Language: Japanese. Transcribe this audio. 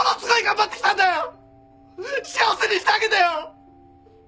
幸せにしてあげてよ！